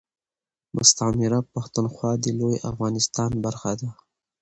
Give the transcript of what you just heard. مستعمره پښتونخوا دي لوي افغانستان برخه ده